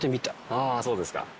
ああそうですか。